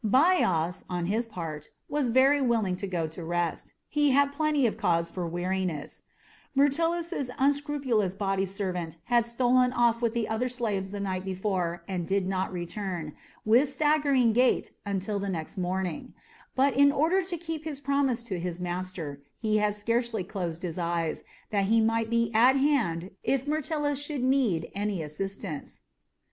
Bias, on his part, was very willing to go to rest. He had plenty of cause for weariness; Myrtilus's unscrupulous body servant had stolen off with the other slaves the night before, and did not return, with staggering gait, until the next morning, but, in order to keep his promise to his master, he had scarcely closed his eyes, that he might be at hand if Myrtilus should need assistance.